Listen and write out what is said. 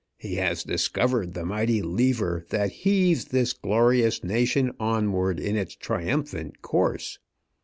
He has discovered the mighty lever that heaves this glorious nation onward in its triumphant course."